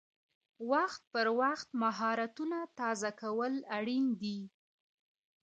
وخت پر وخت مهارتونه تازه کول اړین دي.